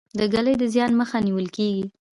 د ږلۍ د زیان مخه نیول کیږي.